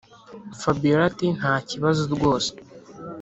fabiora ati”ntakibazo rwose”